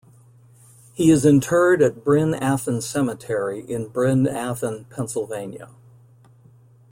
He is interred at Bryn Athyn Cemetery in Bryn Athyn, Pennsylvania.